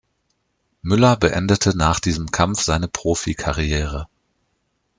Müller beendete nach diesem Kampf seine Profikarriere.